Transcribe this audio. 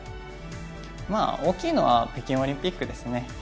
大きいのは北京オリンピックですね。